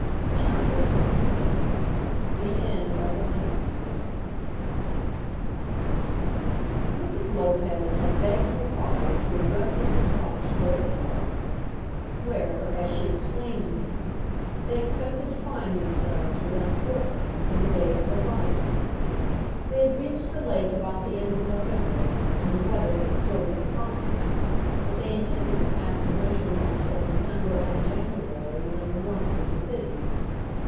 CHAPTER XXVI The End of the Honeymoon Mrs. Lopez had begged her father to address his reply to her at Florence, where, as she explained to him, they expected to find themselves within a fortnight from the date of her writing. They had reached the lake about the end of November, when the weather had still been fine, but they intended to pass the winter months of December and January within the warmth of the cities.